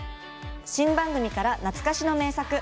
新番組から懐かしの名作。